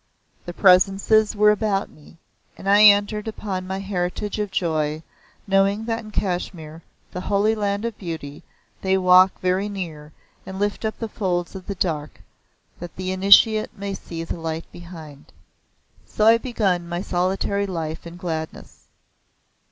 The Presences were about me, and I entered upon my heritage of joy, knowing that in Kashmir, the holy land of Beauty, they walk very near, and lift up the folds of the Dark that the initiate may see the light behind. So I began my solitary life of gladness.